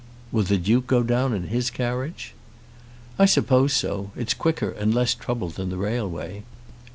"Will the Duke go down in his carriage?" "I suppose so. It's quicker and less trouble than the railway."